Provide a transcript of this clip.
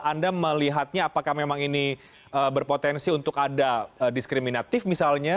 anda melihatnya apakah memang ini berpotensi untuk ada diskriminatif misalnya